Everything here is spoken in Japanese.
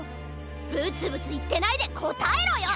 ブツブツいってないでこたえろよ！